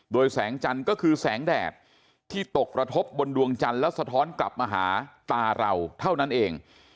โดยแสงจันทร์ก็คือแสงแดดที่ตกระทบบนดวงจันทร์แล้วสะท้อนกลับมาหาตาเราเท่านั้นเอง